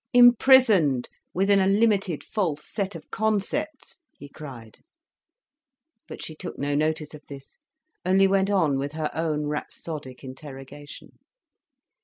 "Imprisoned within a limited, false set of concepts," he cried. But she took no notice of this, only went on with her own rhapsodic interrogation.